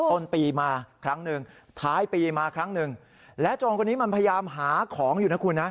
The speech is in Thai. ต้นปีมาครั้งหนึ่งท้ายปีมาครั้งหนึ่งและโจรคนนี้มันพยายามหาของอยู่นะคุณนะ